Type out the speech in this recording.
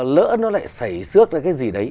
lỡ nó lại xảy xước ra cái gì đấy